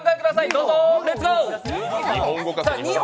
どうぞ、レッツゴー！